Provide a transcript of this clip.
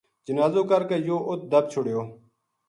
جنازو کر کے یوہ اُت دَب چھُڑیو